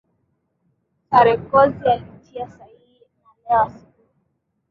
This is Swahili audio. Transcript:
sarekozy alitia sahihi na leo asubuhi